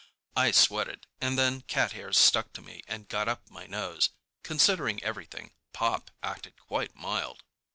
I sweated, and then cat hairs stuck to me and got up my nose. Considering everything, Pop acted quite mild.